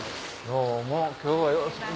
どうも今日はよろしく。